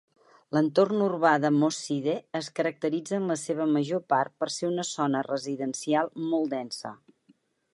L'entorn urbà de Moss Side es caracteritza en la seva major part per ser una zona residencial molt densa.